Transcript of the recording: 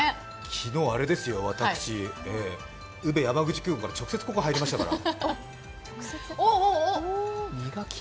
昨日、私、宇部山口空港から直接ここへ入りましたから。